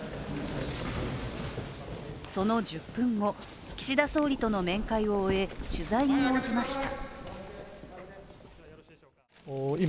その１０分後、岸田総理との面会を終え、取材に応じました。